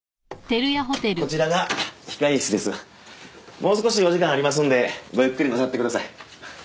もう少しお時間ありますんでごゆっくりなさってください。